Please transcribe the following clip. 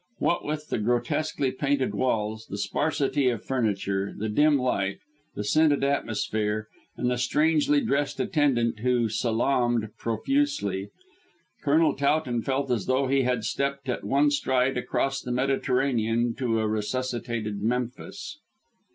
What with the grotesquely painted walls, the sparsity of furniture, the dim light, the scented atmosphere, and the strangely dressed attendant, who salaamed profusely, Colonel Towton felt as though he had stepped at one stride across the Mediterranean to a resuscitated Memphis.